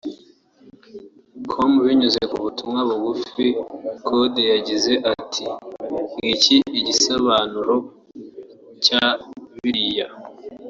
com binyuze ku butumwa bugufi Kode yagize ati”Ngiki igisobanuro cya biriya